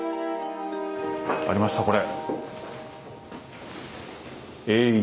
ありましたこれ。